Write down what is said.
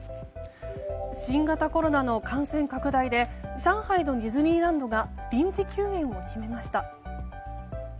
新型コロナの感染拡大で上海のディズニーランドが臨時休園を決めました。